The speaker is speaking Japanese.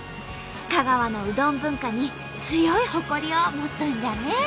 香川のうどん文化に強い誇りを持っとんじゃね！